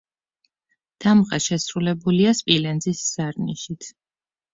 დამღა შესრულებულია სპილენძის ზარნიშით.